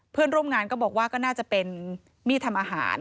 เพื่อนร่วมงานก็บอกว่าก็น่าจะเป็นมีดทำอาหาร